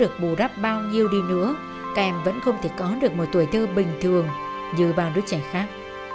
các em vẫn không thể có được một tuổi thơ bình thường như ba đứa trẻ khác